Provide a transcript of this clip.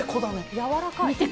やわらかい。